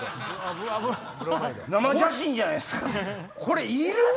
生写真じゃないですか。